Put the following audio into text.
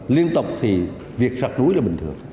liên tục thì việc sọc núi là bình thường